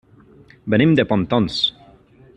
Venim de Pontons.